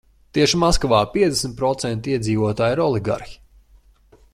Tieši Maskavā piecdesmit procenti iedzīvotāju ir oligarhi.